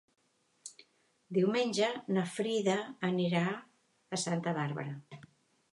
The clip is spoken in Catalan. Diumenge na Frida anirà a Santa Bàrbara.